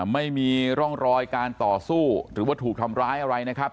ไม่มีร่องรอยการต่อสู้หรือว่าถูกทำร้ายอะไรนะครับ